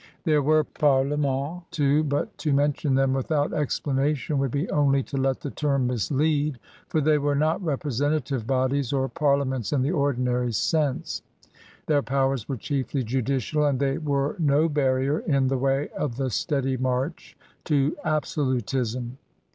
There were parlemetUs, too, but to mention them without explanation would be only to let the term mislead, for they were not repre sentative bodies or parliaments in the ordinary sense: their powers were chiefly judicial and they were no barrier in the way of the steady march to absolutism.